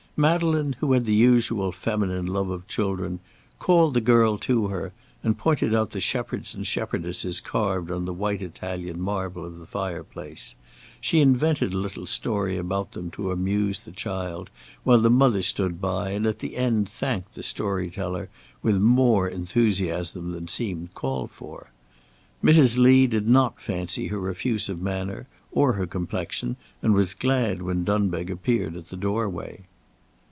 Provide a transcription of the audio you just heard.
Madeleine, who had the usual feminine love of children, called the girl to her and pointed out the shepherds and shepherdesses carved on the white Italian marble of the fireplace; she invented a little story about them to amuse the child, while the mother stood by and at the end thanked the story teller with more enthusiasm than seemed called for. Mrs. Lee did not fancy her effusive manner, or her complexion, and was glad when Dunbeg appeared at the doorway.